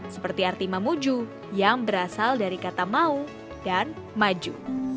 seperti arti mamuju yang berasal dari kata mau dan maju